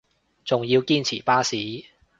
仲要堅持巴士